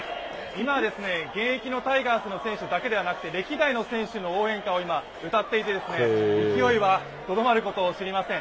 今、現役のタイガースの選手だけじゃなく、歴代の選手の応援歌を今、歌っていて勢いはとどまることを知りません。